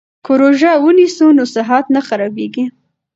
که روژه ونیسو نو صحت نه خرابیږي.